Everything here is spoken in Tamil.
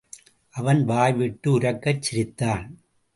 அவன் வாய்விட்டு உரக்கச் சிரித்தான்.